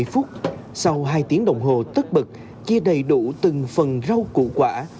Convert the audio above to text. bảy giờ ba mươi phút sau hai tiếng đồng hồ tức bực chia đầy đủ từng phần rau củ quả